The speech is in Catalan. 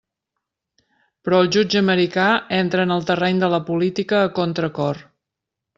Però el jutge americà entra en el terreny de la política a contracor.